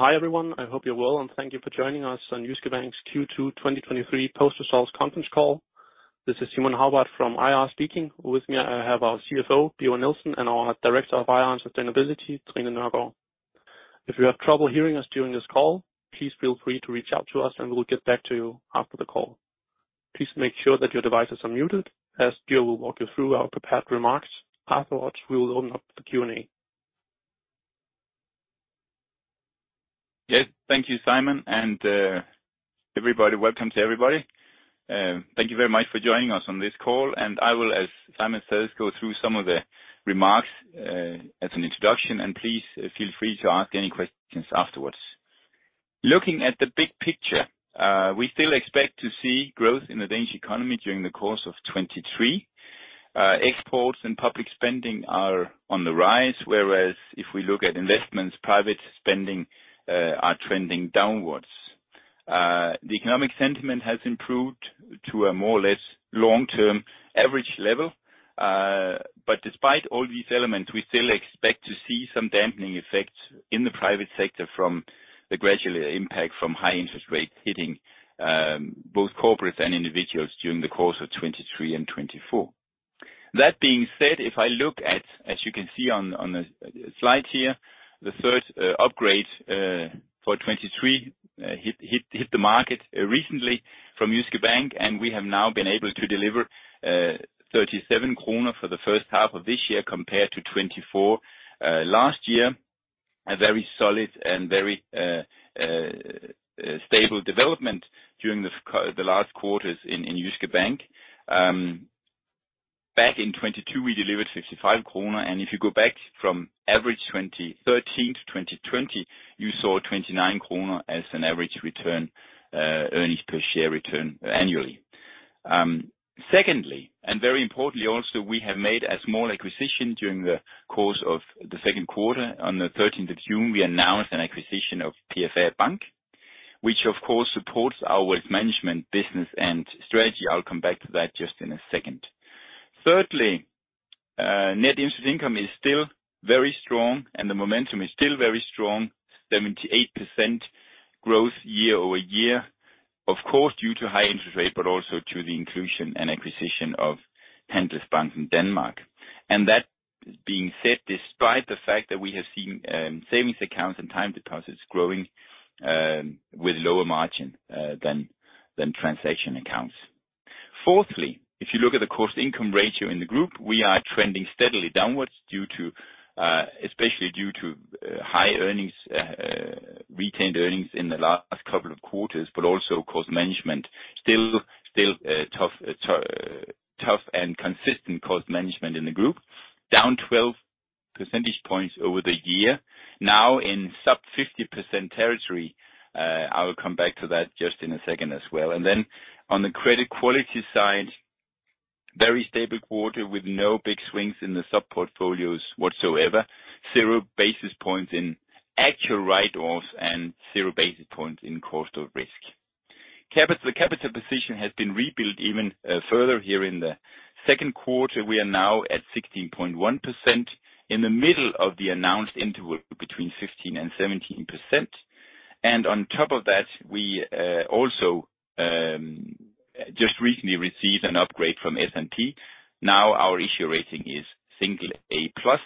Hi, everyone. I hope you're well, and thank you for joining us on Jyske Bank's Q2 2023 post-results conference call. This is Simon Hagbart from IR speaking. With me, I have our CFO, Birger Nielsen, and our Director of IR and Sustainability, Trine Nørgaard. If you have trouble hearing us during this call, please feel free to reach out to us, and we will get back to you after the call. Please make sure that your devices are muted, as Birger will walk you through our prepared remarks. Afterwards, we will open up the Q&A. Yes, thank you, Simon. Everybody, welcome to everybody. Thank you very much for joining us on this call. I will, as Simon says, go through some of the remarks as an introduction, and please feel free to ask any questions afterwards. Looking at the big picture, we still expect to see growth in the Danish economy during the course of 2023. Exports and public spending are on the rise, whereas if we look at investments, private spending are trending downwards. The economic sentiment has improved to a more or less long-term average level. Despite all these elements, we still expect to see some dampening effects in the private sector from the gradual impact from high interest rates hitting both corporates and individuals during the course of 2023 and 2024. That being said, if I look at, as you can see on the slide here, the third upgrade for 2023 hit the market recently from Jyske Bank. We have now been able to deliver 37 kroner for the first half of this year, compared to 24 last year. A very solid and very stable development during the last quarters in Jyske Bank. Back in 2022, we delivered 55 kroner. If you go back from average 2013 to 2020, you saw 29 kroner as an average EPS return annually. Secondly, very importantly also, we have made a small acquisition during the course of the second quarter. On the thirteenth of June, we announced an acquisition of PFA Bank, which of course supports our wealth management business and strategy. I'll come back to that just in a second. Thirdly, net interest income is still very strong, and the momentum is still very strong. 78% growth year-over-year, of course, due to high interest rates, but also to the inclusion and acquisition of Handelsbanken in Denmark. That being said, despite the fact that we have seen savings accounts and time deposits growing with lower margin than transaction accounts. Fourthly, if you look at the cost-to-income ratio in the group, we are trending steadily downwards due to, especially due to, high earnings, retained earnings in the last couple of quarters, but also cost management. Still, still, tough and consistent cost management in the group, down 12 percentage points over the year, now in sub 50% territory. I will come back to that just in a second as well. On the credit quality side, very stable quarter with no big swings in the sub-portfolios whatsoever. 0 basis points in actual write-offs and 0 basis points in cost of risk. Capital, the capital position has been rebuilt even further here in the second quarter. We are now at 16.1%, in the middle of the announced interval between 15% and 17%. On top of that, we also just recently received an upgrade from S&P. Now our issuer rating is single A plus,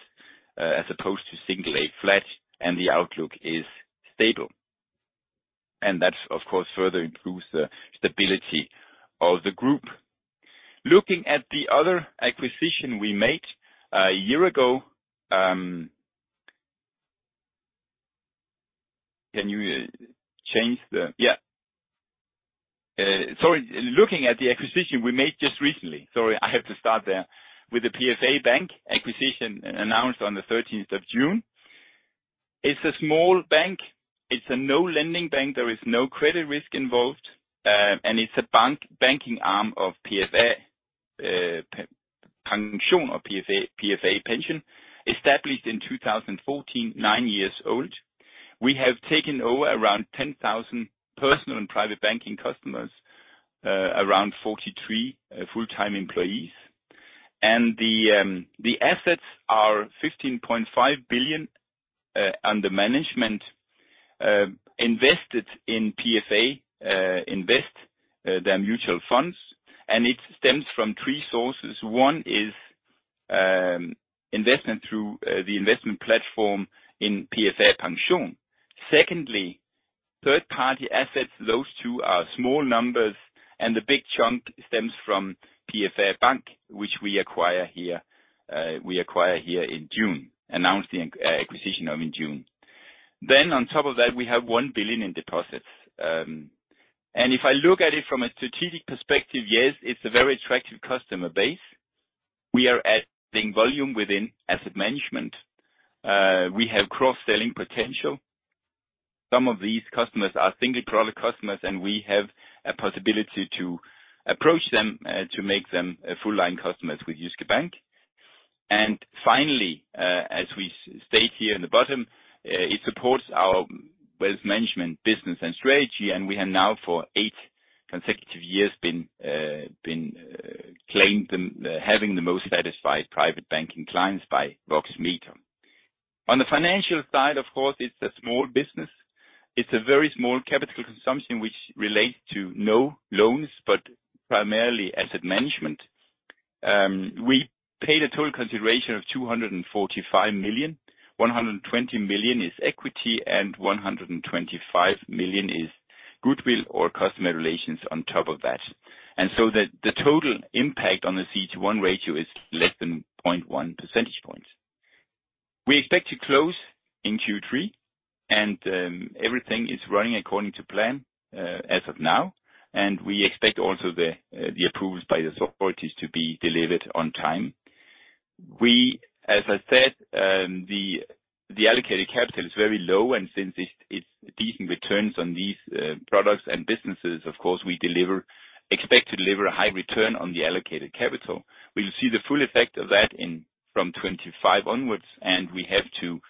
as opposed to single A flat, and the outlook is stable. That, of course, further improves the stability of the group. Looking at the other acquisition we made a year ago... Can you change the-- Yeah. Sorry, looking at the acquisition we made just recently, sorry, I have to start there, with the PFA Bank acquisition announced on the 13th of June. It's a small bank. It's a no-lending bank. There is no credit risk involved, and it's a bank- banking arm of PFA Pension of PFA, PFA Pension, established in 2014, 9 years old. We have taken over around 10,000 personal and private banking customers, around 43 full-time employees. The assets are 15.5 billion under management, invested in PFA Invest, their mutual funds, and it stems from three sources. One is, investment through the investment platform in PFA Pension. Secondly, third-party assets. Those two are small numbers, the big chunk stems from PFA Bank, which we acquire here, we acquire here in June, announced the acquisition of in June. On top of that, we have 1 billion in deposits. If I look at it from a strategic perspective, yes, it's a very attractive customer base. We have cross-selling potential. Some of these customers are single-product customers, we have a possibility to approach them, to make them, full-line customers with Jyske Bank. Finally, as we state here in the bottom, it supports our wealth management business and strategy. consecutive years been, been, claimed them, having the most satisfied private banking clients by Voxmeter. On the financial side, of course, it's a small business. It's a very small capital consumption which relates to no loans, but primarily asset management. We paid a total consideration of 245 million, 120 million is equity, and 125 million is goodwill or customer relations on top of that. So the, the total impact on the CET1 ratio is less than 0.1 percentage point. We expect to close in Q3, and everything is running according to plan as of now, and we expect also the, the approvals by the authorities to be delivered on time. We, as I said, the, the allocated capital is very low, and since it's, it's decent returns on these products and businesses, of course, we expect to deliver a high return on the allocated capital. We'll see the full effect of that in, from 2025 onwards, and we have to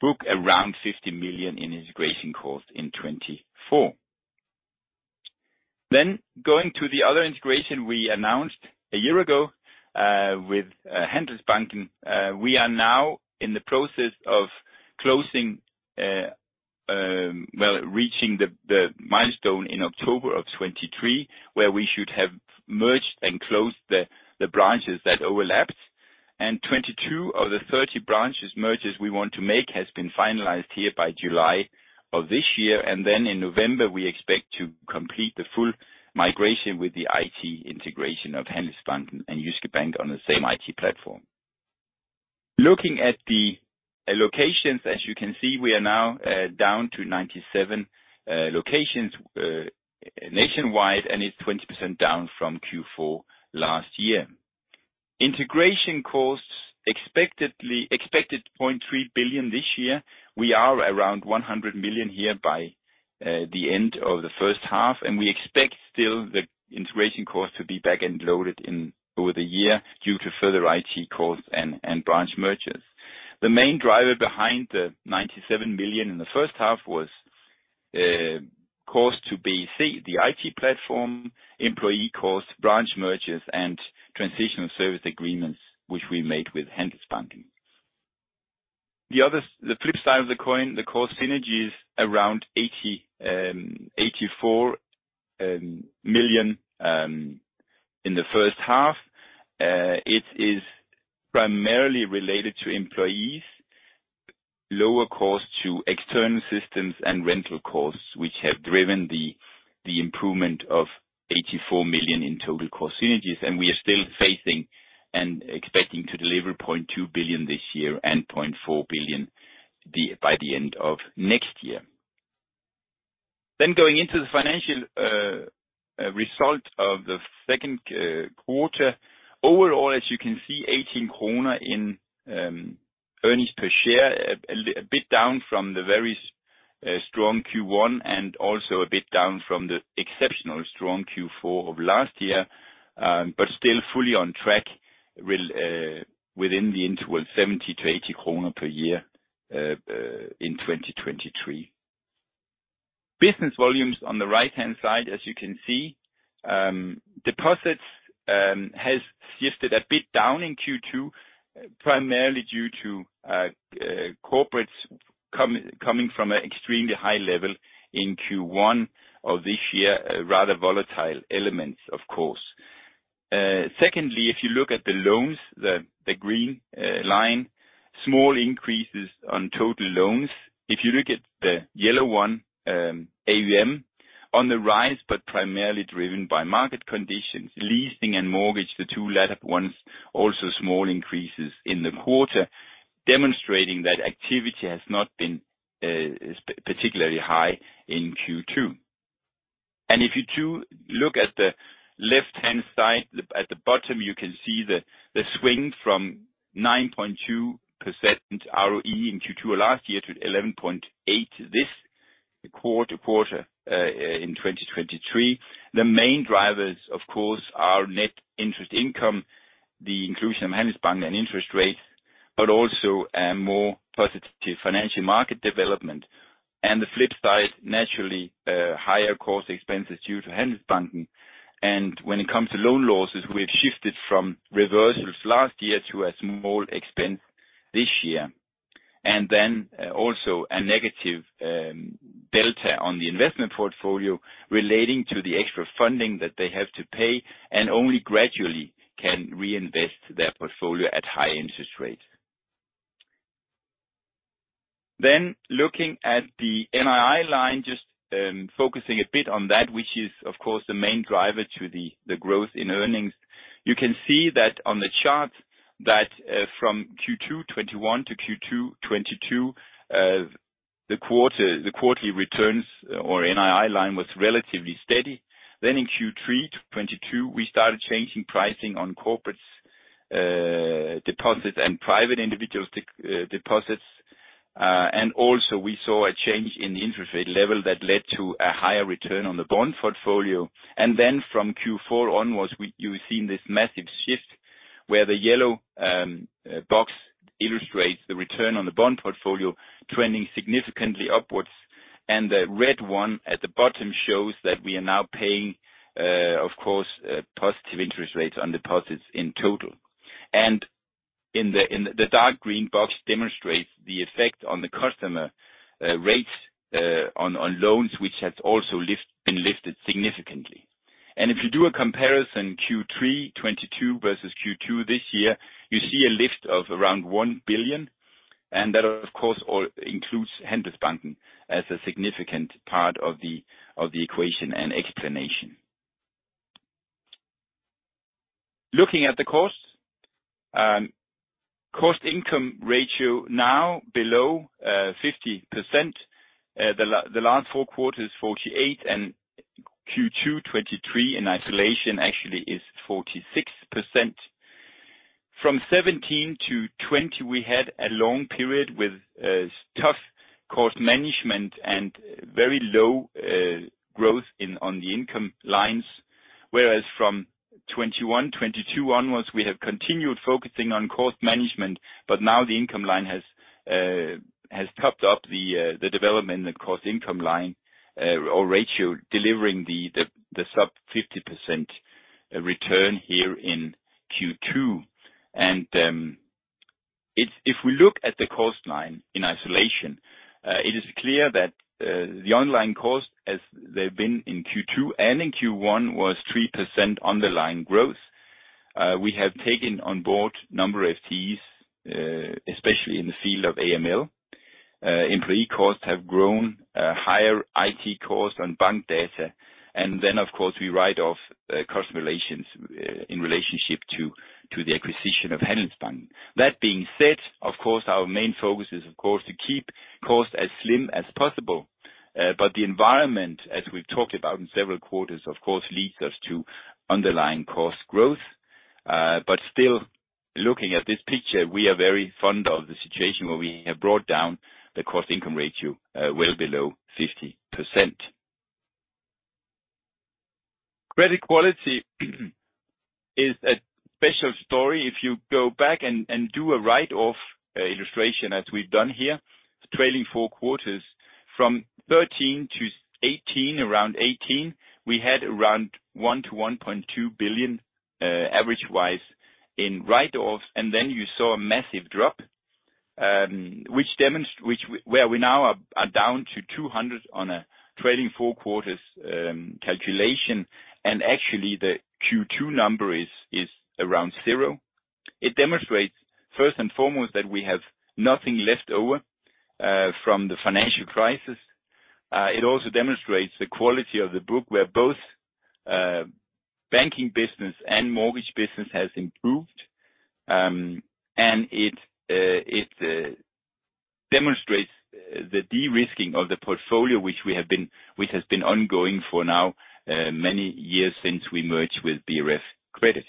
book around 50 million in integration costs in 2024. Going to the other integration we announced a year ago with Handelsbanken. We are now in the process of closing, reaching the, the milestone in October of 2023, where we should have merged and closed the, the branches that overlapped. 22 of the 30 branches mergers we want to make has been finalized here by July of this year. Then in November, we expect to complete the full migration with the IT integration of Handelsbanken and Jyske Bank on the same IT platform. Looking at the allocations, as you can see, we are now down to 97 locations nationwide, and it's 20% down from Q4 last year. Integration costs, expectedly, expected 0.3 billion this year. We are around 100 million here by the end of the first half, and we expect still the integration cost to be back end loaded in over the year due to further IT costs and branch mergers. The main driver behind the 97 million in the first half was cost to BEC, the IT platform, employee costs, branch mergers, and transitional service agreements, which we made with Handelsbanken. The other-- the flip side of the coin, the cost synergy is around 84 million in the first half. It is primarily related to employees, lower costs to external systems and rental costs, which have driven the improvement of 84 million in total cost synergies, and we are still facing and expecting to deliver 0.2 billion this year and 0.4 billion by the end of next year. Going into the financial result of the second quarter. Overall, as you can see, 18 kroner in earnings per share, a bit down from the very strong Q1 and also a bit down from the exceptional strong Q4 of last year, but still fully on track within the interval 70-80 kroner per year in 2023. Business volumes on the right-hand side, as you can see, deposits, has shifted a bit down in Q2, primarily due to corporates coming from an extremely high level in Q1 of this year, a rather volatile elements, of course. Secondly, if you look at the loans, the green line, small increases on total loans. If you look at the yellow one, AUM on the rise, but primarily driven by market conditions, leasing and mortgage, the two latter ones, also small increases in the quarter, demonstrating that activity has not been particularly high in Q2. If you do look at the left-hand side, at the bottom, you can see the swing from 9.2% ROE in Q2 of last year to 11.8 this quarter in 2023. The main drivers, of course, are net interest income, the inclusion of Handelsbanken and interest rates, also a more positive financial market development. The flip side, naturally, higher cost expenses due to Handelsbanken. When it comes to loan losses, we have shifted from reversals last year to a small expense this year. Then, also a negative delta on the investment portfolio relating to the extra funding that they have to pay, and only gradually can reinvest their portfolio at high interest rates. Then, looking at the NII line, just focusing a bit on that, which is, of course, the main driver to the, the growth in earnings. You can see that on the chart, that from Q2 2021 to Q2 2022, the quarter, the quarterly returns or NII line was relatively steady. In Q3 to 2022, we started changing pricing on corporates, deposits, and private individuals deposits. Also we saw a change in the interest rate level that led to a higher return on the bond portfolio. From Q4 onwards, you've seen this massive shift-... where the yellow box illustrates the return on the bond portfolio trending significantly upwards, and the red one at the bottom shows that we are now paying, of course, positive interest rates on deposits in total. In the dark green box demonstrates the effect on the customer rates on loans, which has also been lifted significantly. If you do a comparison Q3 2022 versus Q2 this year, you see a lift of around 1 billion, and that, of course, all includes Handelsbanken as a significant part of the equation and explanation. Looking at the cost-income ratio now below 50%. The last four quarters, 48%, and Q2 2023, in isolation, actually is 46%. From 2017 to 2020, we had a long period with tough cost management and very low growth in, on the income lines. From 2021, 2022 onwards, we have continued focusing on cost management, but now the income line has topped up the development in the cost-income line, or ratio, delivering the sub 50% return here in Q2. If, if we look at the cost line in isolation, it is clear that the online cost, as they've been in Q2 and in Q1, was 3% underlying growth. We have taken on board number of fees, especially in the field of AML. Employee costs have grown, higher IT costs on Bankdata, and then, of course, we write off cost relations in relationship to the acquisition of Handelsbanken. That being said, of course, our main focus is, of course, to keep costs as slim as possible. But the environment, as we've talked about in several quarters, of course, leads us to underlying cost growth. But still, looking at this picture, we are very fond of the situation where we have brought down the cost-to-income ratio well below 50%. Credit quality, is a special story. If you go back and, and do a write-off, illustration, as we've done here, trailing 4 quarters, from 13-18, around 18, we had around 1 billion-1.2 billion, average-wise, in write-offs, and then you saw a massive drop, which where we now are, are down to 200 on a trailing 4 quarters, calculation. Actually, the Q2 number is, is around 0. It demonstrates, first and foremost, that we have nothing left over, from the financial crisis. It also demonstrates the quality of the book, where both, banking business and mortgage business has improved. It, it, demonstrates, the de-risking of the portfolio, which has been ongoing for now, many years since we merged with BRFkredit.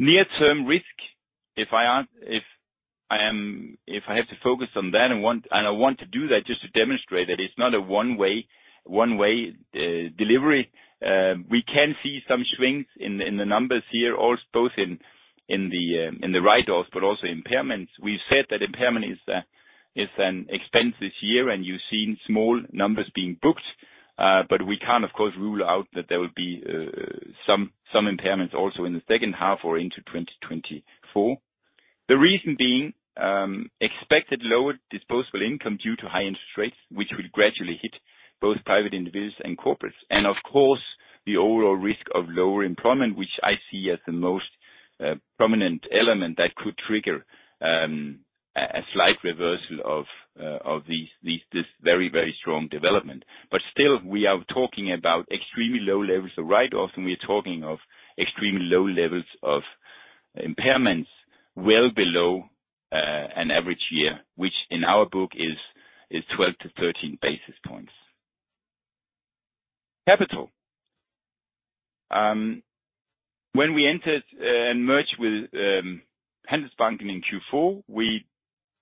Near-term risk, if I have to focus on that, and want, and I want to do that just to demonstrate that it's not a one-way, one-way, delivery, we can see some swings in the, in the numbers here, both in, in the, in the write-offs, but also impairments. We've said that impairment is a, is an expense this year, and you've seen small numbers being booked. We can't, of course, rule out that there will be some, some impairments also in the second half or into 2024. The reason being, expected lower disposable income due to high interest rates, which will gradually hit both private individuals and corporates. Of course, the overall risk of lower employment, which I see as the most prominent element that could trigger a slight reversal of this very, very strong development. Still, we are talking about extremely low levels of write-off, and we are talking of extremely low levels of impairments, well below an average year, which in our book is 12-13 basis points. Capital. When we entered and merged with Handelsbanken in Q4, we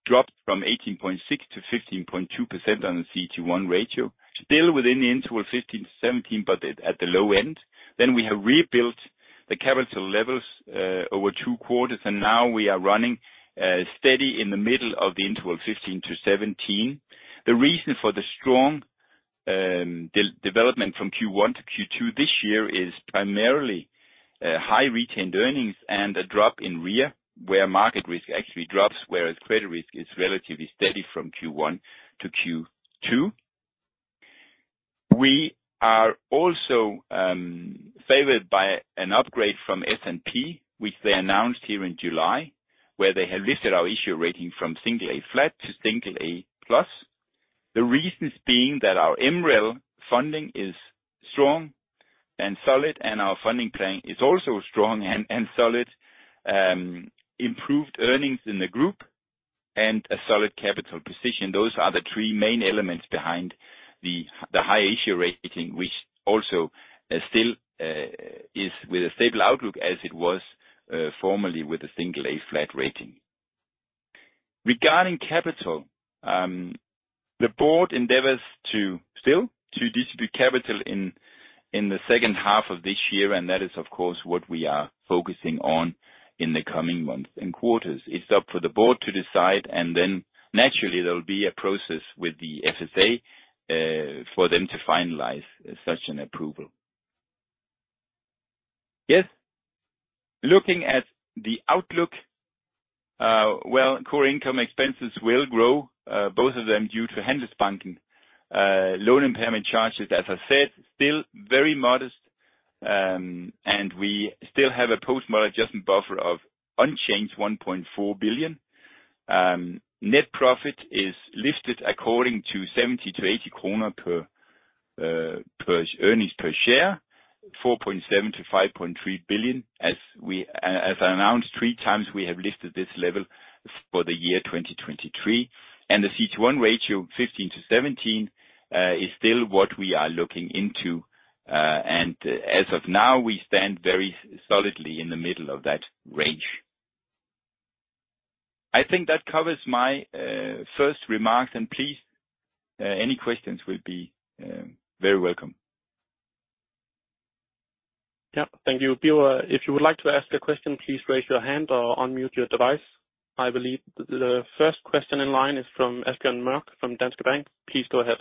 dropped from 18.6 to 15.2% on the CET1 ratio, still within the interval of 15%-17%, but at the low end. We have rebuilt the capital levels over two quarters, and now we are running steady in the middle of the interval 15%-17%. The reason for the strong de-development from Q1 to Q2 this year is primarily high retained earnings and a drop in REA, where market risk actually drops, whereas credit risk is relatively steady from Q1 to Q2. We are also favored by an upgrade from S&P, which they announced here in July, where they have listed our issue rating from single A flat to single A plus. The reasons being that our MREL funding is strong and solid, and our funding plan is also strong and solid, improved earnings in the group, and a solid capital position. Those are the three main elements behind the high issue rating, which also still is with a stable outlook, as it was formerly with a single A flat rating. Regarding capital, the board endeavors to still, to distribute capital in, in the second half of this year. That is, of course, what we are focusing on in the coming months and quarters. It's up for the board to decide. Then naturally, there will be a process with the FSA, for them to finalize such an approval. Yes. Looking at the outlook, well, core income expenses will grow, both of them due to Handelsbanken. Loan impairment charges, as I said, still very modest. We still have a post-model adjustment buffer of unchanged 1.4 billion. Net profit is lifted according to 70-80 kroner per per earnings per share, 4.7 billion-5.3 billion, as I announced three times, we have lifted this level for the year 2023. The CET1 ratio, 15%-17%, is still what we are looking into, and as of now, we stand very solidly in the middle of that range. I think that covers my first remarks. Please, any questions will be very welcome. Yeah. Thank you, Birger. If you would like to ask a question, please raise your hand or unmute your device. I believe the first question in line is from Asbjørn Mørk from Danske Bank. Please go ahead.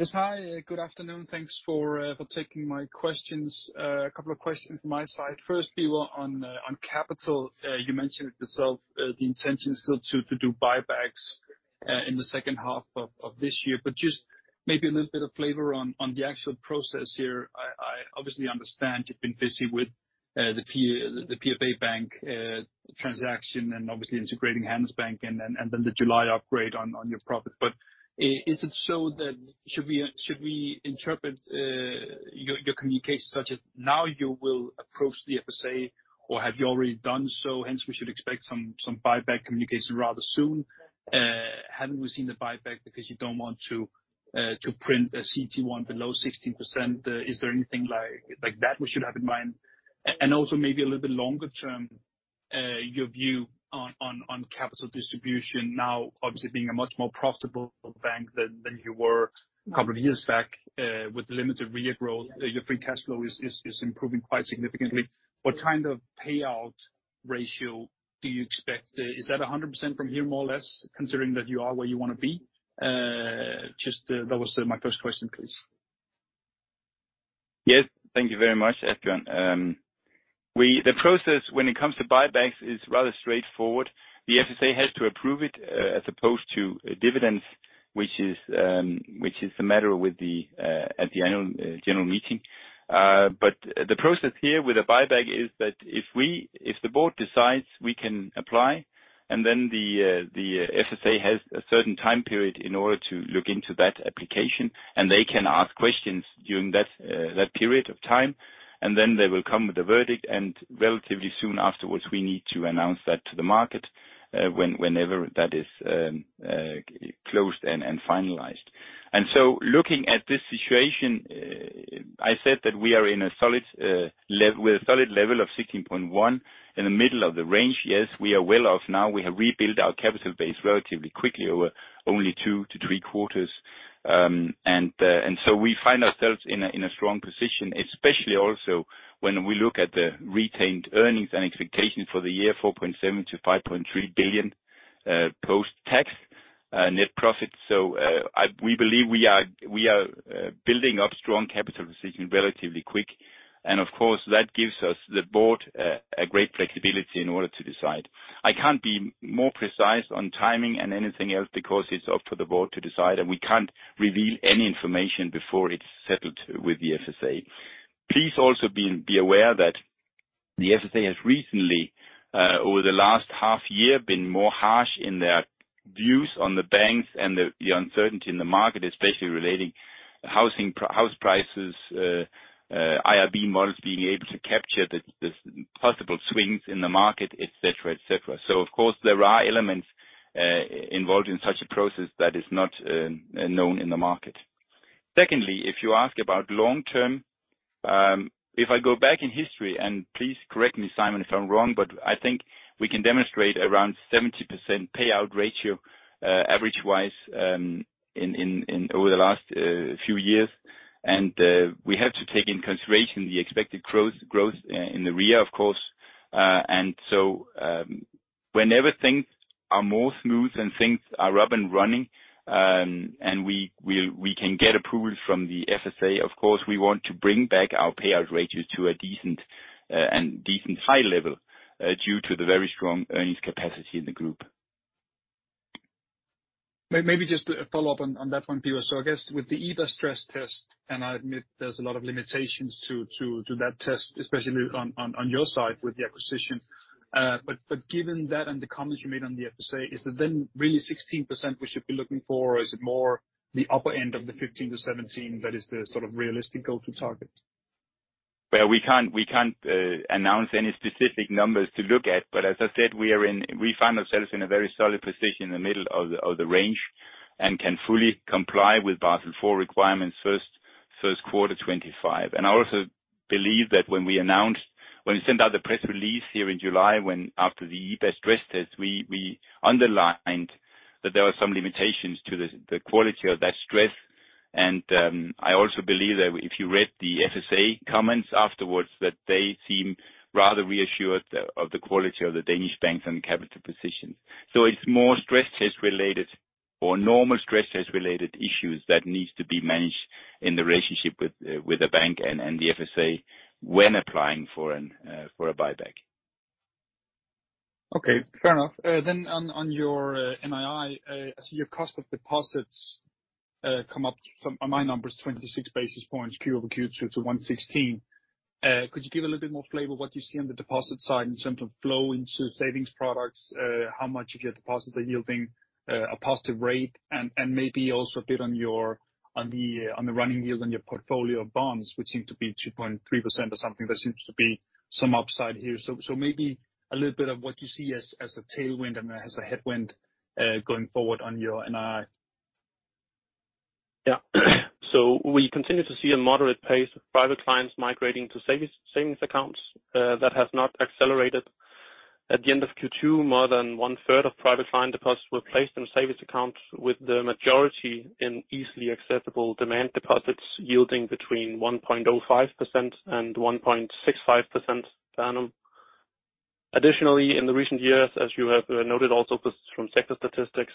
Yes, hi. Good afternoon. Thanks for taking my questions. A couple of questions from my side. First, Birger, on capital. You mentioned it yourself, the intention still to do buybacks in the second half of this year, but just maybe a little bit of flavor on the actual process here. I obviously understand you've been busy with the PFA Bank transaction, and obviously integrating Handelsbanken, and then the July upgrade on your profit. Is it so that... Should we interpret your communication such as now you will approach the FSA, or have you already done so? Hence, we should expect some buyback communication rather soon. Haven't we seen the buyback because you don't want to print a CET1 below 16%? Is there anything like, like that we should have in mind? Also maybe a little bit longer term, your view on, on, on capital distribution now, obviously, being a much more profitable bank than, than you were a couple of years back, with limited REA growth, your free cash flow is, is, is improving quite significantly. What kind of payout ratio do you expect? Is that 100% from here, more or less, considering that you are where you want to be? Just, that was my first question, please. Yes. Thank you very much, Asbjørn. The process, when it comes to buybacks, is rather straightforward. The FSA has to approve it, as opposed to dividends, which is, which is the matter with the, at the annual, general meeting. The process here with a buyback is that if we- if the board decides, we can apply, and then the FSA has a certain time period in order to look into that application, and they can ask questions during that, that period of time, and then they will come with a verdict, and relatively soon afterwards, we need to announce that to the market, when- whenever that is, closed and, and finalized. Looking at this situation, I said that we are in a solid, lev- with a solid level of 16.1 in the middle of the range. Yes, we are well off now. We have rebuilt our capital base relatively quickly, over only two to three quarters. We find ourselves in a strong position, especially also when we look at the retained earnings and expectations for the year, 4.7 billion-5.3 billion, post-tax, net profit. I- we believe we are, we are building up strong capital position relatively quick, and of course, that gives us, the board, a great flexibility in order to decide. I can't be more precise on timing and anything else, because it's up to the board to decide, and we can't reveal any information before it's settled with the FSA. Please also be aware that the FSA has recently, over the last half year, been more harsh in their views on the banks and the uncertainty in the market, especially relating to housing, house prices, IRB models being able to capture the possible swings in the market, et cetera, et cetera. Of course, there are elements involved in such a process that is not known in the market. Secondly, if you ask about long term, if I go back in history, and please correct me, Simon, if I'm wrong, but I think we can demonstrate around 70% payout ratio, average-wise, in over the last few years. We have to take in consideration the expected growth, growth in the REA, of course. Whenever things are more smooth and things are up and running, and we, we'll, we can get approval from the FSA, of course, we want to bring back our payout ratios to a decent, and decent high level, due to the very strong earnings capacity in the group. Maybe just a follow-up on that one, Birger. I guess with the EBA stress test, and I admit there's a lot of limitations to that test, especially on your side with the acquisitions. Given that and the comments you made on the FSA, is it then really 16% we should be looking for? Is it more the upper end of the 15%-17%, that is the sort of realistic go-to target? Well, we can't, we can't announce any specific numbers to look at, but as I said, we are we find ourselves in a very solid position in the middle of the, of the range, and can fully comply with Basel IV requirements first quarter 2025. I also believe that when we when we sent out the press release here in July, when after the EBA stress test, we, we underlined that there were some limitations to the, the quality of that stress. I also believe that if you read the FSA comments afterwards, that they seem rather reassured of the quality of the Danish banks and the capital positions. It's more stress test related or normal stress test related issues that needs to be managed in the relationship with, with the bank and, and the FSA when applying for an, for a buyback. Okay, fair enough. On, on your NII, I see your cost of deposits come up from, on my numbers, 26 basis points, QOQ 2 to 116. Could you give a little bit more flavor, what you see on the deposit side in terms of flow into savings products? How much of your deposits are yielding a positive rate? Maybe also a bit on your, on the running yield on your portfolio of bonds, which seem to be 2.3% or something. There seems to be some upside here. Maybe a little bit of what you see as, as a tailwind and as a headwind going forward on your NII. Yeah. We continue to see a moderate pace of private clients migrating to savings, savings accounts. That has not accelerated. At the end of Q2, more than one-third of private client deposits were placed in savings accounts, with the majority in easily accessible demand deposits yielding between 1.05% and 1.65% per annum. Additionally, in the recent years, as you have noted also from sector statistics,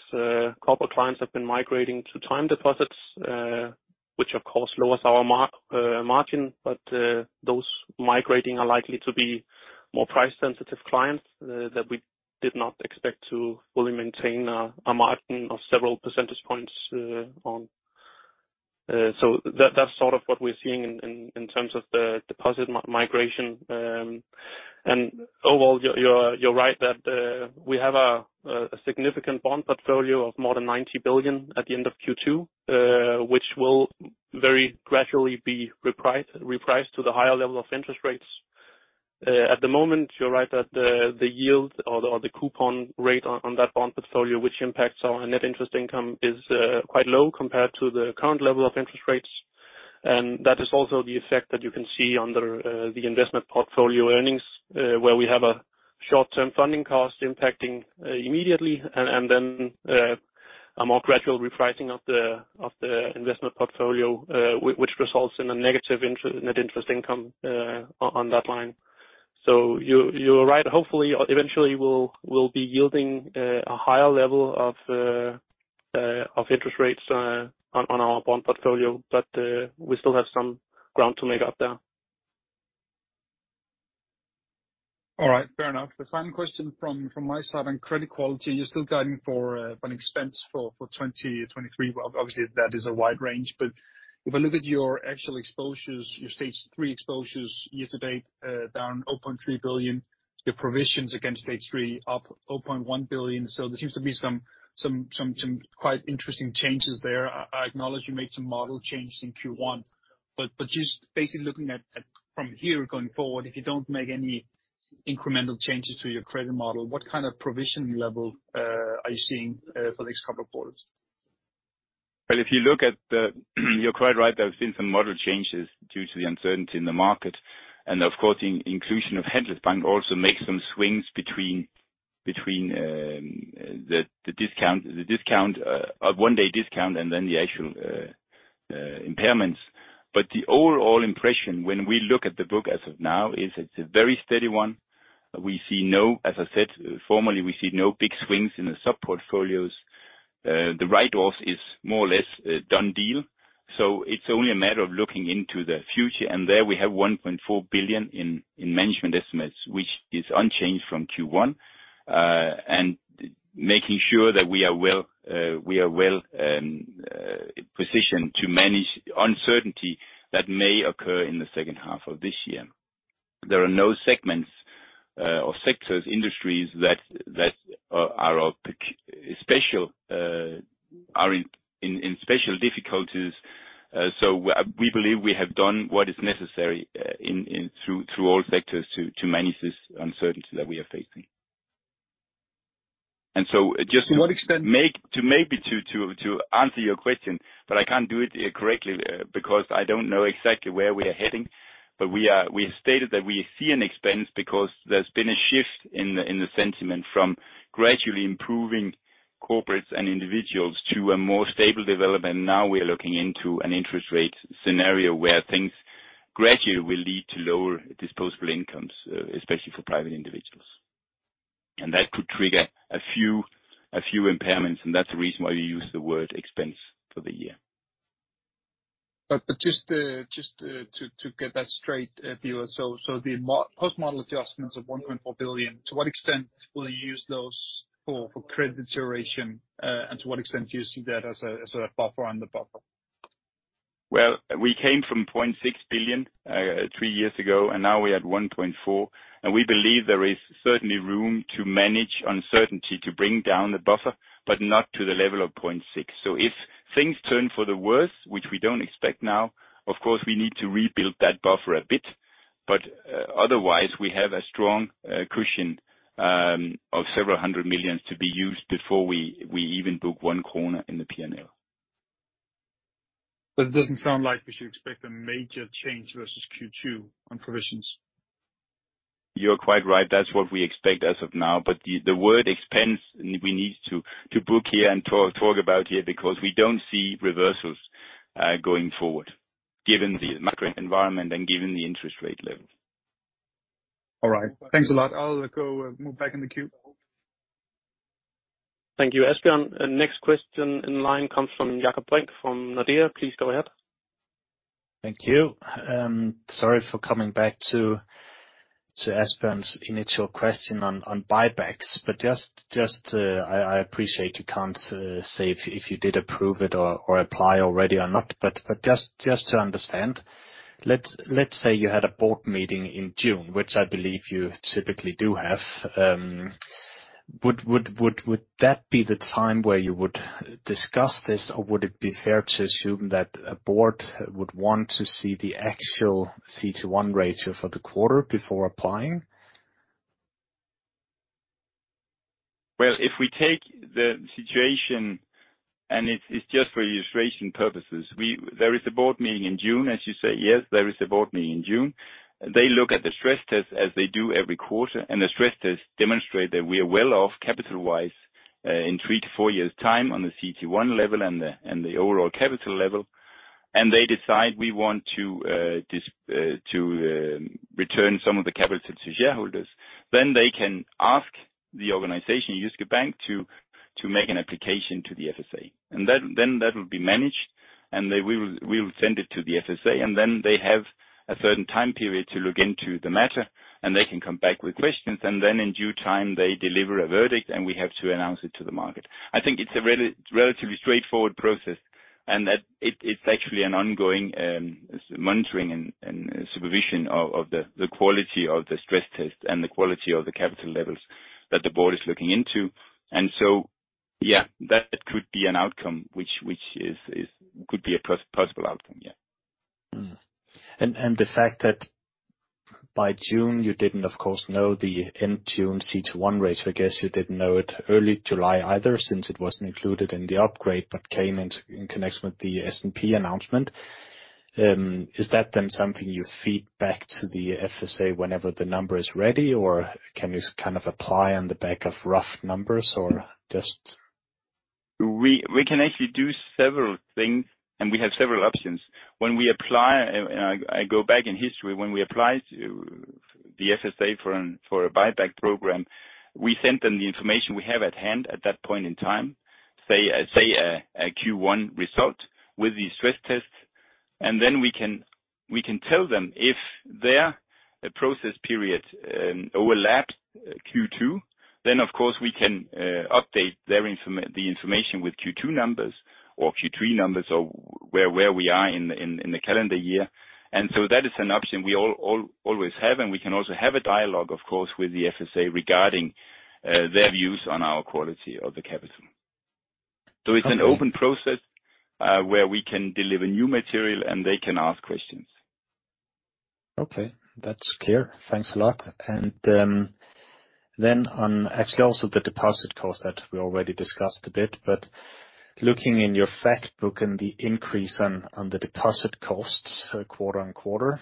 corporate clients have been migrating to time deposits, which of course lowers our margin. Those migrating are likely to be more price-sensitive clients that we did not expect to fully maintain a margin of several percentage points on. So that's sort of what we're seeing in terms of the deposit migration. Overall, you're, you're, you're right that we have a significant bond portfolio of more than 90 billion at the end of Q2, which will very gradually be repriced, repriced to the higher level of interest rates. At the moment, you're right that the, the yield or the, or the coupon rate on that bond portfolio, which impacts our net interest income, is quite low compared to the current level of interest rates. That is also the effect that you can see under the investment portfolio earnings, where we have a short-term funding cost impacting immediately and then a more gradual repricing of the investment portfolio, which results in a negative net interest income on that line. You, you're right. Hopefully, or eventually, we'll, we'll be yielding, a higher level of, of interest rates, on, on our bond portfolio, but, we still have some ground to make up there. All right. Fair enough. The final question from my side, on credit quality, you're still guiding for an expense for 2023. Obviously, that is a wide range. If I look at your actual exposures, your Stage Three exposures year to date, down 0.3 billion, your provisions against Stage Three, up 0.1 billion. There seems to be some quite interesting changes there. I, I acknowledge you made some model changes in Q1, but just basically looking at from here going forward, if you don't make any incremental changes to your credit model, what kind of provisioning level are you seeing for the next couple of quarters? If you look at the, you're quite right, there have been some model changes due to the uncertainty in the market. Of course, inclusion of Handelsbanken also makes some swings between, between the, the discount, the discount, a one-day discount and then the actual impairments. The overall impression when we look at the book as of now, is it's a very steady one. We see no, as I said, formally, we see no big swings in the sub-portfolios. The write-offs is more or less a done deal, so it's only a matter of looking into the future. There we have 1.4 billion in management estimates, which is unchanged from Q1 and making sure that we are well, we are well positioned to manage uncertainty that may occur in the second half of this year. There are no segments or sectors, industries that are of special difficulties. So we believe we have done what is necessary in through all sectors to manage this uncertainty that we are facing. To what extent? To maybe answer your question, I can't do it correctly because I don't know exactly where we are heading. We have stated that we see an expense because there's been a shift in the sentiment from gradually improving corporates and individuals to a more stable development. Now, we are looking into an interest rate scenario where things gradually will lead to lower disposable incomes, especially for private individuals. That could trigger a few impairments, and that's the reason why we use the word expense for the year. but just to get that straight, Birger, the post-model adjustments of 1.4 billion, to what extent will you use those for, for credit duration? To what extent do you see that as a, as a buffer on the buffer? Well, we came from 0.6 billion three years ago, and now we're at 1.4 billion. We believe there is certainly room to manage uncertainty, to bring down the buffer, but not to the level of 0.6 billion. If things turn for the worse, which we don't expect now, of course, we need to rebuild that buffer a bit. Otherwise, we have a strong cushion of DKK several hundred million to be used before we, we even book 1 in the P&L. It doesn't sound like we should expect a major change versus Q2 on provisions? You're quite right. That's what we expect as of now. The word expense, we need to book here and talk about here, because we don't see reversals going forward, given the macro environment and given the interest rate levels. All right. Thanks a lot. I'll let go, move back in the queue. Thank you, Asbjørn. Next question in line comes from Jakob Brink from Nordea. Please go ahead. Thank you. Sorry for coming back to, to Asbjørn's initial question on, on buybacks. Just, just I, I appreciate you can't say if, if you did approve it or, or apply already or not. Just, just to understand, let's, let's say you had a board meeting in June, which I believe you typically do have. Would, would, would, would that be the time where you would discuss this, or would it be fair to assume that a board would want to see the actual CET1 ratio for the quarter before applying? Well, if we take the situation, and it's, it's just for illustration purposes, there is a board meeting in June, as you say. Yes, there is a board meeting in June. They look at the stress test, as they do every quarter, and the stress test demonstrate that we are well off capital-wise, in 3-4 years' time on the CT1 level and the, and the overall capital level. They decide we want to dis- to return some of the capital to shareholders. Then they can ask the organization, Jyske Bank, to, to make an application to the FSA. Then, that will be managed, we will, we will send it to the FSA, then they have a certain time period to look into the matter, they can come back with questions. In due time, they deliver a verdict, and we have to announce it to the market. I think it's a relatively straightforward process, and that it, it's actually an ongoing monitoring and supervision of the quality of the stress test and the quality of the capital levels that the board is looking into. Yeah, that could be an outcome which is... could be a possible outcome, yeah. Mm. The fact that by June, you didn't, of course, know the end June CT1 ratio, I guess you didn't know it early July either, since it wasn't included in the upgrade, but came in, in connection with the S&P announcement. Is that then something you feed back to the FSA whenever the number is ready, or can you kind of apply on the back of rough numbers or just- We can actually do several things, and we have several options. When we apply, and I, I go back in history, when we applied to the FSA for an, for a buyback program, we sent them the information we have at hand at that point in time, say, say a, a Q1 result with the stress tests. Then we can, we can tell them if their process period overlaps Q2, then of course, we can update their the information with Q2 numbers or Q3 numbers, or where, where we are in, in, in the calendar year. So that is an option we always have, and we can also have a dialogue, of course, with the FSA regarding their views on our quality of the capital. It's an open process, where we can deliver new material, and they can ask questions. Okay, that's clear. Thanks a lot. Then on actually also the deposit cost that we already discussed a bit, but looking in your fact book and the increase on, on the deposit costs, quarter on quarter,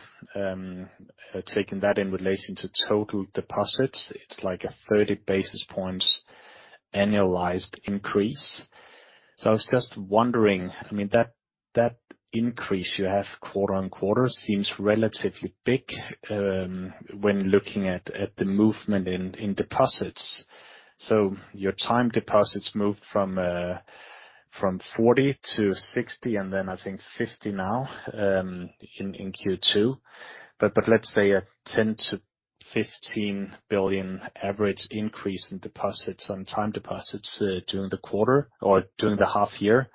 taking that in relation to total deposits, it's like a 30 basis points annualized increase. I was just wondering, I mean, that, that increase you have quarter on quarter seems relatively big when looking at the movement in deposits. Your time deposits moved from 40 to 60, and then I think 50 now in Q2. Let's say a 10 billion-15 billion average increase in deposits on time deposits during the quarter or during the half year,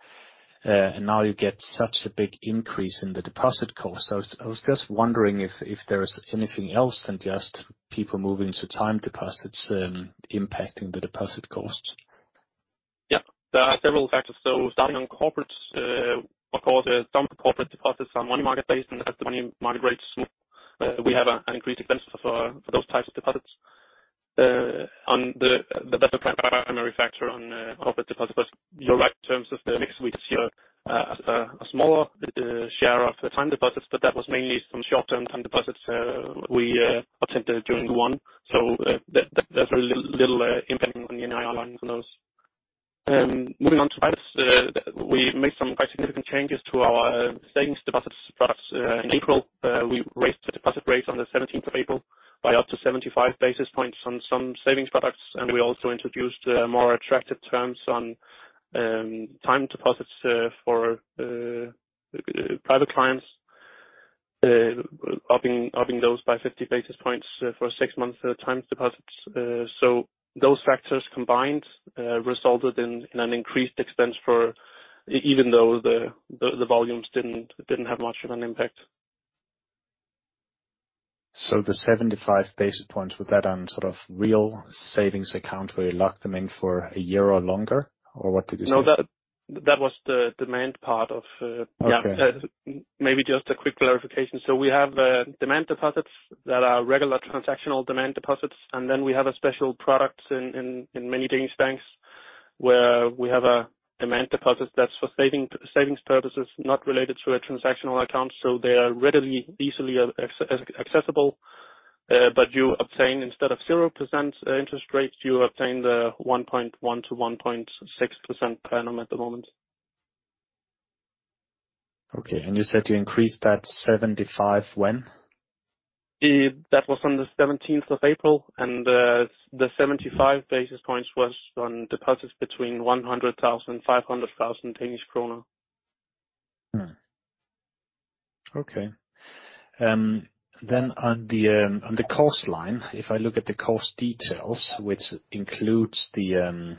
and now you get such a big increase in the deposit cost. I was, I was just wondering if, if there is anything else than just people moving to time deposits, impacting the deposit costs? Yeah, there are several factors, though, starting on corporates. Of course, some corporate deposits are money market-based, and as the money market rates, we have increased expenses for those types of deposits. On the better primary factor on corporate deposits. You're right in terms of the mix, we see a smaller share of the time deposits, but that was mainly some short-term time deposits we obtained during Q1. That's very little impact on the NII lines on those. Moving on to products, we made some quite significant changes to our savings deposits products in April. We raised the deposit rates on the 17th of April by up to 75 basis points on some savings products, and we also introduced more attractive terms on time deposits for private clients, upping those by 50 basis points for six months, times deposits. Those factors combined resulted in an increased expense for, even though the volumes didn't have much of an impact. The 75 basis points, was that on sort of real savings account, where you lock them in for a year or longer, or what did you say? ... That was the demand part of, Okay. Yeah, maybe just a quick clarification. We have demand deposits that are regular transactional demand deposits, and then we have a special product in many Danish banks, where we have a demand deposit that's for savings purposes, not related to a transactional account, so they are readily, easily accessible. You obtain, instead of 0% interest rate, you obtain the 1.1%-1.6% platinum at the moment. Okay. You said you increased that 75 when? That was on the 17th of April, and the 75 basis points was on deposits between 100,000 DKK, 500,000 Danish kroner. Mm. Okay. On the on the cost line, if I look at the cost details, which includes the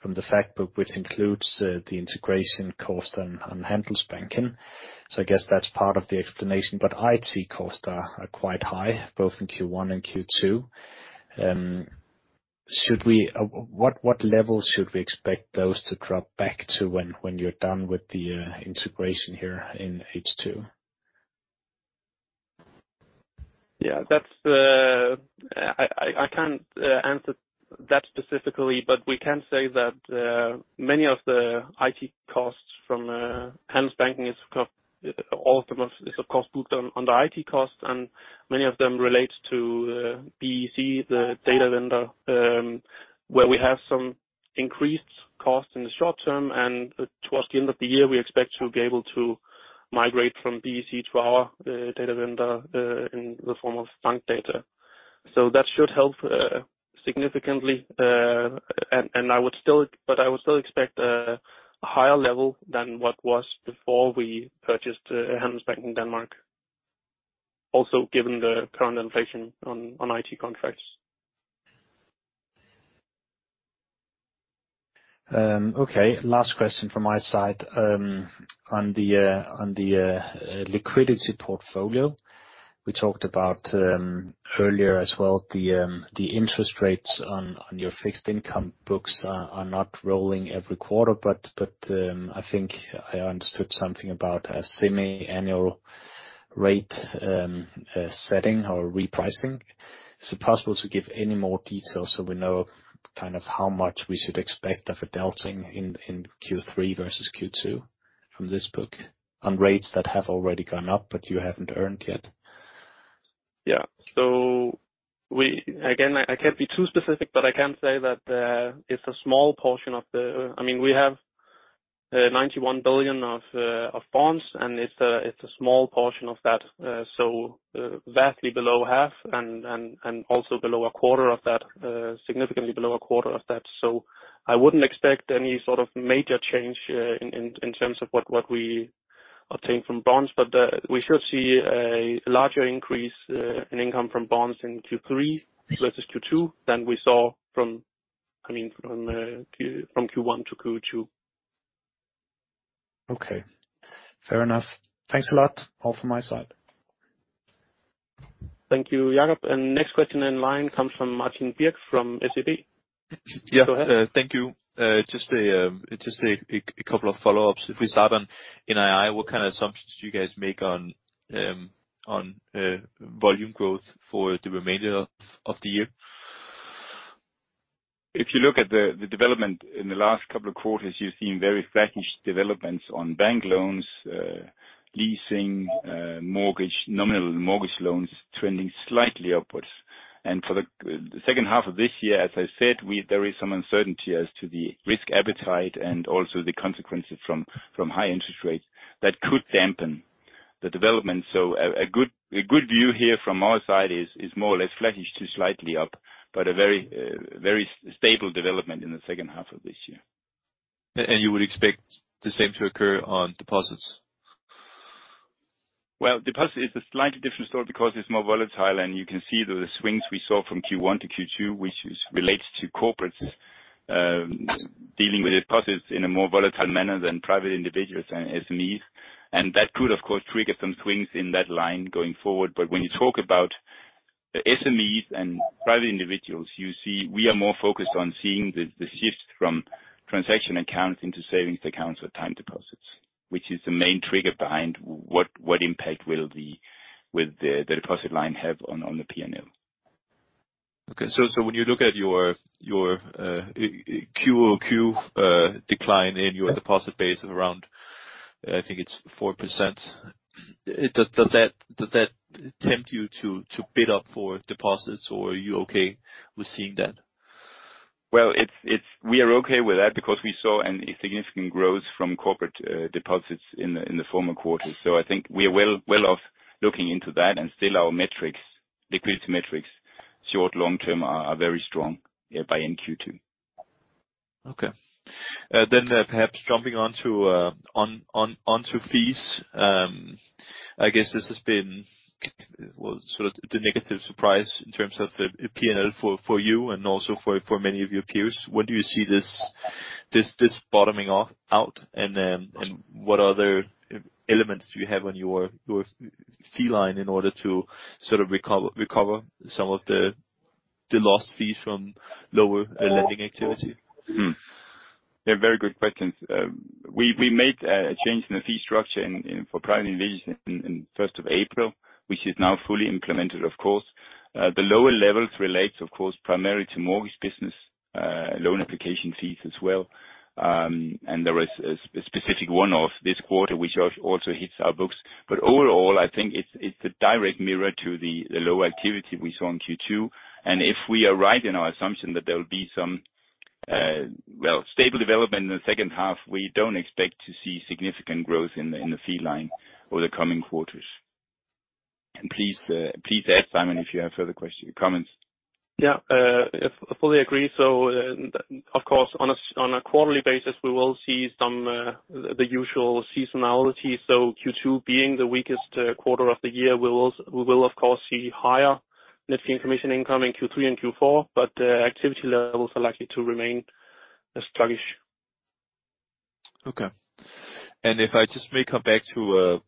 from the fact book, which includes the integration cost on on Handelsbanken. I guess that's part of the explanation, but IT costs are are quite high, both in Q1 and Q2. Should we... what, what level should we expect those to drop back to when, when you're done with the integration here in H2? Yeah, that's I, I, I can't answer that specifically, but we can say that many of the IT costs from Handelsbanken is all of them is, of course, booked on, on the IT costs, and many of them relate to BEC, the data vendor, where we have some increased costs in the short term, and towards the end of the year, we expect to be able to migrate from BEC to our data vendor, in the form of Bankdata. That should help significantly, and I would still but I would still expect a higher level than what was before we purchased Handelsbanken Denmark. Given the current inflation on IT contracts. Okay, last question from my side. On the on the liquidity portfolio, we talked about earlier as well, the interest rates on on your fixed income books are are not rolling every quarter, but, but, I think I understood something about a semi-annual rate setting or repricing. Is it possible to give any more details so we know kind of how much we should expect of a delta in in Q3 versus Q2 from this book, on rates that have already gone up, but you haven't earned yet? Yeah. Again, I, I can't be too specific, but I can say that it's a small portion of the... I mean, we have 91 billion of bonds, and it's a small portion of that, so vastly below half and also below a quarter of that, significantly below a quarter of that. I wouldn't expect any sort of major change in terms of what we obtain from bonds, but we should see a larger increase in income from bonds in Q3 versus Q2 than we saw from, I mean, from Q1 to Q2. Okay. Fair enough. Thanks a lot. All from my side. Thank you, Jacob. Next question in line comes from Martin Birk from SEB. Yeah. Go ahead. Thank you. Just a couple of follow-ups. If we start on NII, what kind of assumptions do you guys make on volume growth for the remainder of the year? If you look at the development in the last couple of quarters, you've seen very flattish developments on bank loans, leasing, mortgage, nominal mortgage loans trending slightly upwards. For the second half of this year, as I said, there is some uncertainty as to the risk appetite and also the consequences from high interest rates that could dampen the development. A good view here from our side is more or less flattish to slightly up, but a very stable development in the second half of this year. You would expect the same to occur on deposits? Well, deposit is a slightly different story because it's more volatile, and you can see the swings we saw from Q1 to Q2, which is related to corporates, dealing with deposits in a more volatile manner than private individuals and SMEs. That could, of course, trigger some swings in that line going forward. When you talk about the SMEs and private individuals, you see, we are more focused on seeing the, the shift from transaction accounts into savings accounts or time deposits, which is the main trigger behind what, what impact will the, will the, the deposit line have on, on the P&L. Okay. when you look at your, your, QOQ, decline in your deposit base of around, I think it's 4%, does, does that, does that tempt you to, to bid up for deposits, or are you okay with seeing that? Well, it's, we are okay with that because we saw a significant growth from corporate deposits in the former quarter. I think we are well, well off looking into that, and still our metrics, liquidity metrics, short, long term, are very strong by end Q2. Okay. Perhaps jumping on to on on on to fees. I guess this has been, well, sort of the negative surprise in terms of the P&L for, for you and also for, for many of your peers. When do you see this, this, this bottoming off out? What other elements do you have on your, your fee line in order to sort of recover, recover some of the-... the lost fees from lower lending activity? Hmm. They're very good questions. We, we made a change in the fee structure for private investors in 1st of April, which is now fully implemented, of course. The lower levels relates, of course, primarily to mortgage business, loan application fees as well. There is a specific one-off this quarter, which also hits our books. Overall, I think it's, it's a direct mirror to the low activity we saw in Q2. If we are right in our assumption that there will be some, well, stable development in the second half, we don't expect to see significant growth in the fee line over the coming quarters. Please, please add, Simon, if you have further questions, comments. Yeah, I fully agree. Of course, on a quarterly basis, we will see some the usual seasonality. Q2 being the weakest quarter of the year, we will, we will of course see higher net fee and commission income in Q3 and Q4, but activity levels are likely to remain sluggish. Okay. If I just may come back to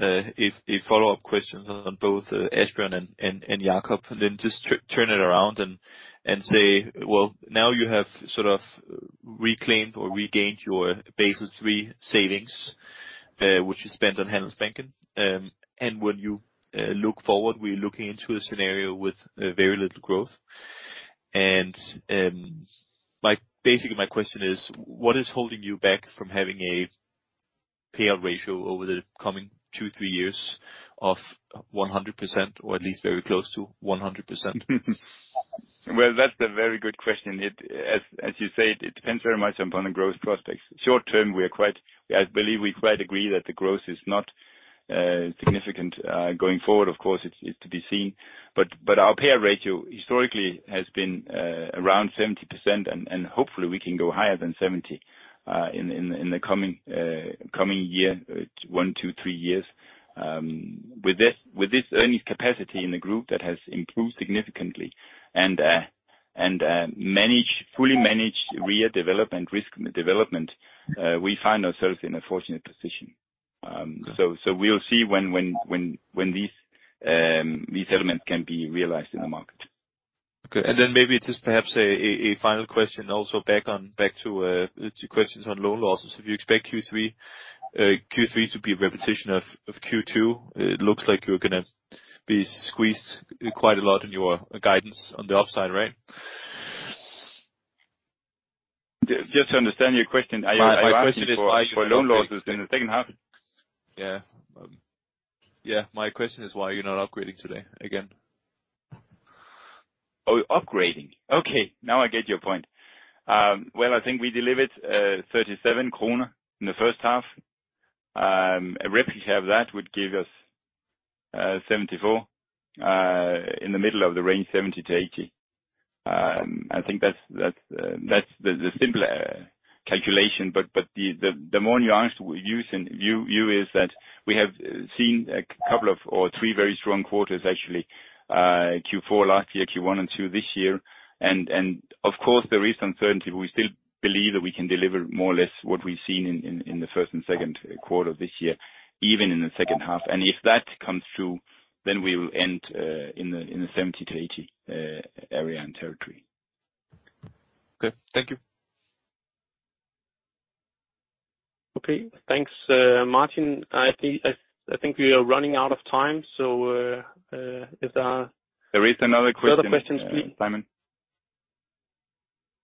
a follow-up question on both Asbjørn and Jacob, and then just turn it around and say, well, now you have sort of reclaimed or regained your Basel III savings, which you spent on Handelsbanken. When you look forward, we're looking into a scenario with very little growth. Basically, my question is: What is holding you back from having a payout ratio over the coming 2-3 years of 100%, or at least very close to 100%? Well, that's a very good question. It as, as you said, it depends very much upon the growth prospects. Short term, we are quite I believe we quite agree that the growth is not significant going forward. Of course, it's to be seen. Our payout ratio historically has been around 70%, and hopefully we can go higher than 70% in the coming year, 1, 2, 3 years. With this earnings capacity in the group, that has improved significantly. Fully managed risk development, we find ourselves in a fortunate position. So we'll see when these elements can be realized in the market. Okay. Then maybe just perhaps a, a, a final question, also back on, back to, to questions on loan losses. Do you expect Q3, Q3 to be a repetition of, of Q2? It looks like you're gonna be squeezed quite a lot in your guidance on the upside, right? Just to understand your question. My question is why- For loan losses in the second half. Yeah. Yeah, my question is, why are you not upgrading today again? Oh, upgrading? Okay, now I get your point. Well, I think we delivered 37 kroner in the first half. A replica of that would give us 74 in the middle of the range, 70-80. I think that's, that's the, the simple calculation, but, but the, the, the more nuanced view is that we have seen a couple of or three very strong quarters, actually, Q4 last year, Q1 and Q2 this year. Of course, there is uncertainty, but we still believe that we can deliver more or less what we've seen in, in, in the first and second quarter of this year, even in the second half. If that comes through, then we will end in the 70-80 area and territory. Okay. Thank you. Okay. Thanks, Martin. I think, I, I think we are running out of time, so, if there are... There is another question. other questions, please. Simon.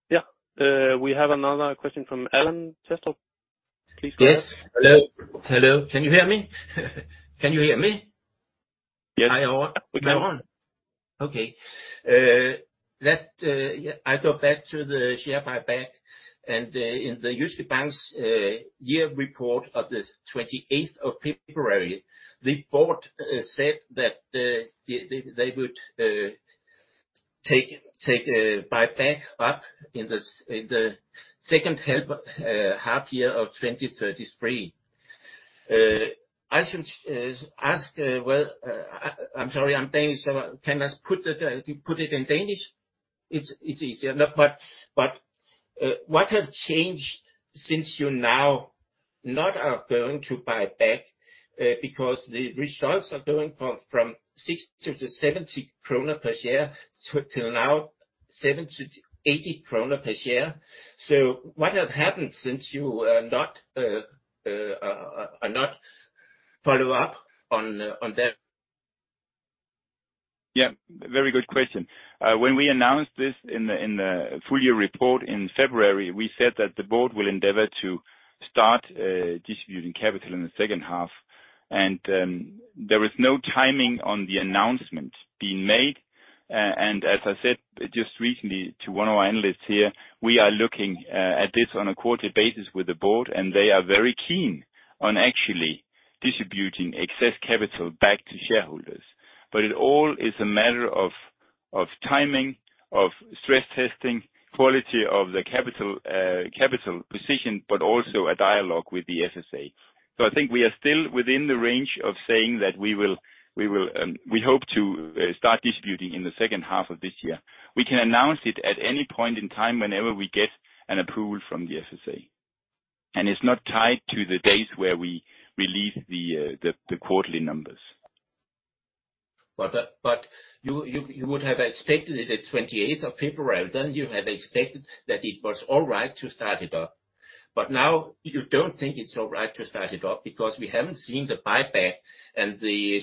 Yeah. We have another question from Alan Chester. Please go ahead. Yes. Hello. Hello, can you hear me? Can you hear me? Yes. Am I on? Okay. Let I go back to the share buyback, in the Jyske Bank's year report of the 28th of February, the board said that they, they, they would take, take, buy back up in the second half year of 2023. I should ask, well, I'm sorry, I'm Danish, so can I put it, put it in Danish? It's, it's easier. But, what has changed since you now not are going to buy back? Because the results are going from, from 6-70 krone per share, to, to now 7-80 krone per share. What has happened since you, not, not follow up on that? Yeah, very good question. When we announced this in the full year report in February, we said that the board will endeavor to start distributing capital in the second half, there is no timing on the announcement being made. As I said, just recently to one of our analysts here, we are looking at this on a quarterly basis with the board, and they are very keen on actually distributing excess capital back to shareholders. It all is a matter of timing, of stress testing, quality of the capital, capital position, but also a dialogue with the FSA. I think we are still within the range of saying that we will, we will, we hope to start distributing in the second half of this year. We can announce it at any point in time, whenever we get an approval from the FSA. It's not tied to the dates where we release the, the, the quarterly numbers. You would have expected it at 28th of February, then you have expected that it was all right to start it up. Now you don't think it's all right to start it up, because we haven't seen the buyback, and the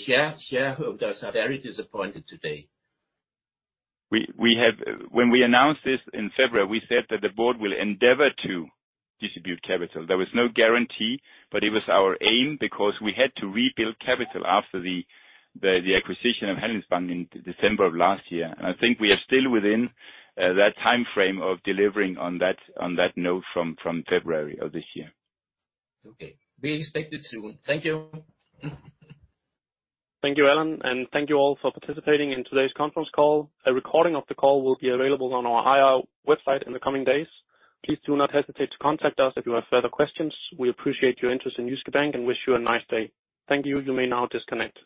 shareholders are very disappointed today. When we announced this in February, we said that the board will endeavor to distribute capital. There was no guarantee, but it was our aim, because we had to rebuild capital after the acquisition of Handelsbanken in December of last year. I think we are still within that timeframe of delivering on that, on that note from February of this year. Okay. We expect it soon. Thank you. Thank you, Alan, and thank you all for participating in today's conference call. A recording of the call will be available on our IR website in the coming days. Please do not hesitate to contact us if you have further questions. We appreciate your interest in Jyske Bank and wish you a nice day. Thank you. You may now disconnect.